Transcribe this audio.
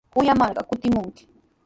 Kuyamarqa kutimunkimi.